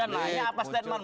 anda nanya apa statement